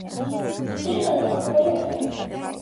ძირითადად ტროპიკული ოჯახია.